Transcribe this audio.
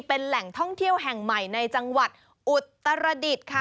เป็นแหล่งท่องเที่ยวแห่งใหม่ในจังหวัดอุตรดิษฐ์ค่ะ